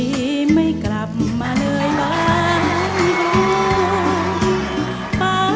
ไปไม่กลับมาเหนื่อยมากที่กลัว